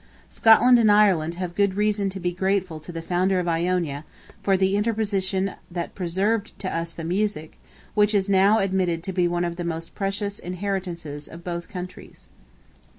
Scotland and Ireland have good reason to be grateful to the founder of Iona, for the interposition that preserved to us the music, which is now admitted to be one of the most precious inheritances of both countries.